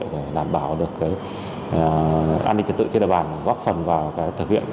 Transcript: để đảm bảo được an ninh trật tự trên địa bàn góp phần vào thực hiện